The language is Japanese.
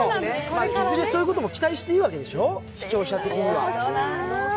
いずれそういうことも期待していいわけでしょう、視聴者的には？